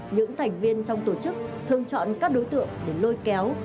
những thành viên trong tổ chức thường chọn các đối tượng để lôi kéo